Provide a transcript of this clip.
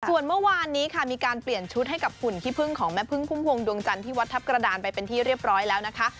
ส่วนเมื่อวานนี้ค่ะมีการเปลี่ยนชุดให้กับหุ่นขี้พึ่งของแม่พึ่งพุ่มพวงดวงจันทร์ที่วัดทัพกระดานไปเป็นที่เรียบร้อยแล้วนะคะ